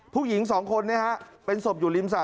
ผู้หญิง๒คนเป็นศพอยู่ริมสะ